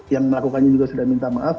yang melakukannya juga sudah minta maaf